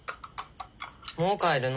もう帰るの？